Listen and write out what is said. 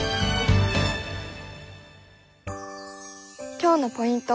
今日のポイント